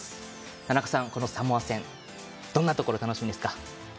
田中さん、このサモア戦どんなところが楽しみですか？